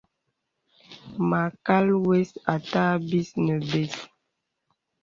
Mâkal wə̀s àtâ bis nə bə̀s.